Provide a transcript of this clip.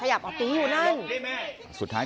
ยกมือขึ้น